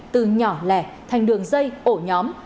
từ nhỏ lẻ thành đường dây ổ nhóm